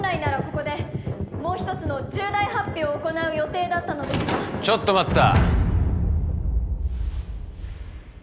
ここでもう一つの重大発表を行う予定だったのですがちょっと待った！